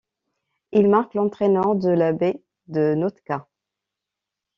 Il marque l'entrée nord de la baie de Nootka.